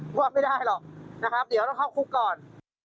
พูดไม่ได้หรอกนะครับเดี๋ยวต้องเข้าคุกก่อน